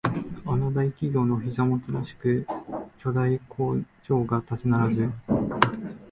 あの大企業のお膝元らしく巨大工場が立ち並ぶ